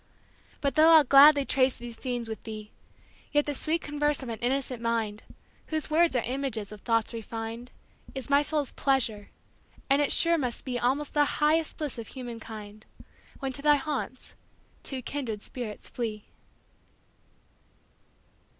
But though I'll gladly trace these scenes with thee, Yet the sweet converse of an innocent mind, Whose words are images of thoughts refin'd, Is my soul's pleasure; and it sure must beAlmost the highest bliss of human kind, When to thy haunts two kindred spirits flee.